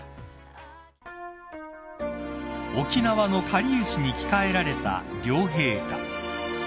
［沖縄のかりゆしに着替えられた両陛下］